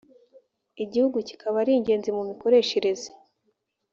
igihugu bikaba ari ingenzi mu mikoreshereze